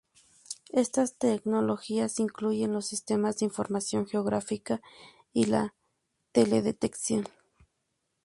Estas tecnologías incluyen los sistemas de información geográfica y la teledetección.